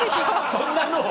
そんなのを？